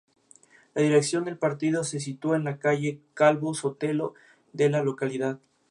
La dirección del partido se sitúa en la Calle Calvo Sotelo de la localidad.